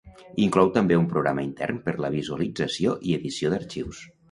Inclou també un programa intern per la visualització i edició d'arxius.